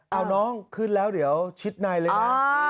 เอาน้องขึ้นแล้วเดี๋ยวชิดในเลยนะ